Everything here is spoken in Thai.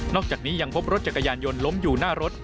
อกจากนี้ยังพบรถจักรยานยนต์ล้มอยู่หน้ารถ